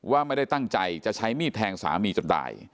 ว่าไม่ได้ตั้งใจจะใช้มีดแทงสามีจนตาย